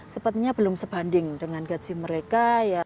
sepertinya belum sebanding dengan gaji mereka